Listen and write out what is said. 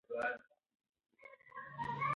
بانکونه لویې ګټې اخلي.